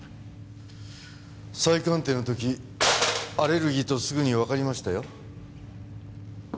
再鑑定の時アレルギーとすぐにわかりましたよ。